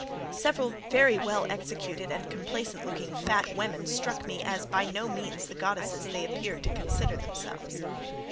Several very well executed and complacent looking fat women struck me as by no means the goddesses they appeared to consider themselves.